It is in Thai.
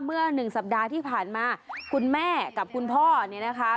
เมื่อหนึ่งสัปดาห์ที่ผ่านมาคุณแม่กับคุณพ่อเนี่ยนะคะ